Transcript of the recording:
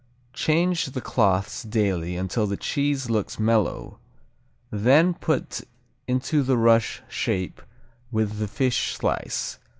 Change the cloths daily until the cheese looks mellow, then put into the rush shape with the fish slice.